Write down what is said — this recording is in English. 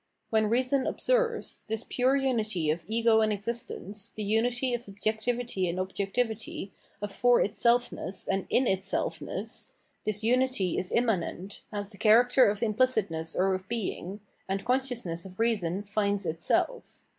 When reason " observes,"" this pure unity of ego and existence, the unity of subjectivity and objectivity, of for itself ness and in itself ness — this unity is immanent, has the character of imphcitness or of being ; and consciousness of reason finds itself.